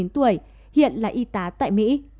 hai mươi chín tuổi hiện là y tá tại mỹ